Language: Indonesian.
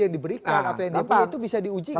yang diberikan atau yang diberikan itu bisa diuji